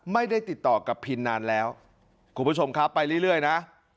ไม่ได้ติดต่อกับพินนานแล้วคุณผู้ชมครับไปเรื่อยนะ